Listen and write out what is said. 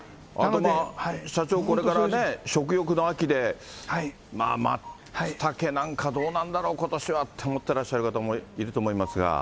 社長、これから食欲の秋で、マツタケなんかどうなんだろう、ことしはって思ってらっしゃる方もいると思いますが。